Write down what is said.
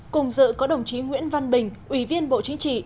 cùng dự có đồng chí nguyễn văn bình ủy viên bộ chính trị